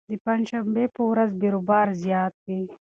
د پنجشنبې په ورځ بېروبار زیات وي.